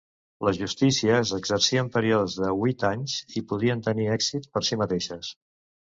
Les justícies exerceixen períodes de huit anys i poden tenir èxit per si mateixes.